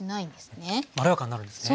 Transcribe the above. まろやかになるんですね。